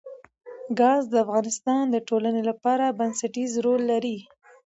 ګاز د افغانستان د ټولنې لپاره بنسټيز رول لري.